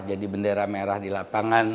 jadi bendera merah di lapangan